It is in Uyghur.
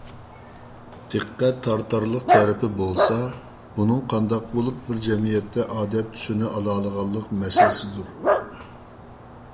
دىققەت تارتارلىق تەرىپى بولسا، بۇنىڭ قانداق بولۇپ بىر جەمئىيەتتە ئادەت تۈسىنى ئالالىغانلىق مەسىلىسىدۇر.